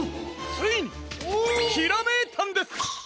ついにひらめいたんです！